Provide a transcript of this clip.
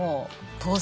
当然！